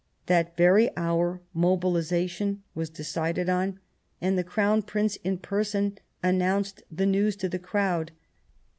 That very hour mobilization was decided on, and the Crown Prince in person announced the news to the crowd.